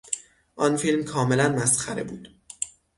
آن فیلم کاملا مسخره بود.